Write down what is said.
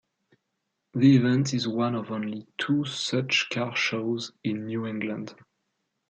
The event is one of only two such car shows in New England.